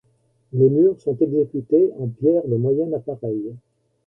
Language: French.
Les murs sont exécutés en pierre de moyen appareil.